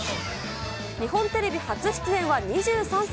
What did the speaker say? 日本テレビ初出演は２３歳。